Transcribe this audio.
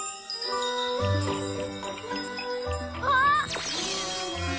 あっ！